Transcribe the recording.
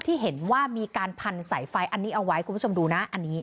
ที่เห็นว่ามีการพันธุ์ใสไฟอันนี้เอาไว้คุณผู้ชมดูนะ